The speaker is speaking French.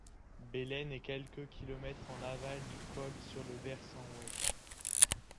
Belen est quelques kilomètres en aval du col sur le versant ouest.